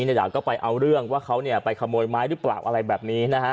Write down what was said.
คนนี้อยากไปเอาเรื่องว่าเขาไปขโมยไม้หรือเปล่าอะไรแบบนี้